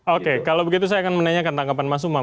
oke kalau begitu saya akan menanyakan tanggapan mas umam